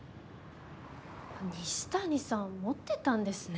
西谷さん持ってたんですね。